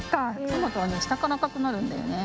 トマトはねしたからあかくなるんだよね。